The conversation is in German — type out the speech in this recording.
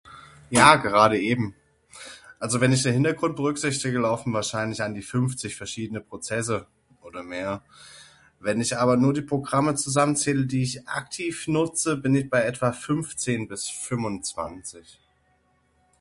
Ja gerade eben. Also wenn ich den Hintergrund berücksichtige laufen wahrscheinlich an die Fünfzig verschiedene Prozesse oder mehr. Wenn ich aber nur die Programme zusammenzähle die ich aktiv nutze, bin ich bei etwa Fünfzehn bis Fünfundzwanzig.